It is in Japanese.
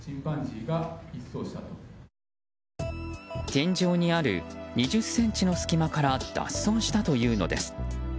天井にある２０ｃｍの隙間から脱走したというのです。